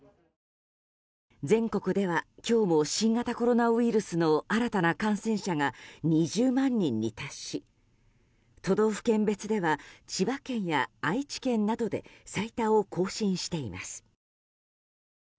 全国では今日も新型コロナウイルスの新たな感染者が２０万人に達し都道府県別では千葉県や愛知県などで最多を更新しています。